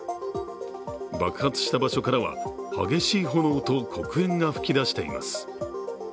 爆発した場所からは激しい炎と黒煙が噴き出しています。